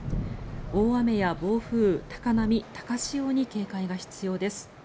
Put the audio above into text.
大雨や暴風、高波、高潮に警戒が必要です。